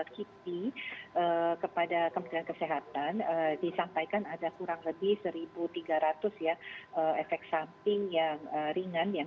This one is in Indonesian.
kipi kepada kementerian kesehatan disampaikan ada kurang lebih satu tiga ratus ya efek samping yang ringan yang